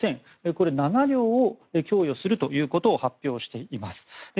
これ７両を供与するということを発表しています。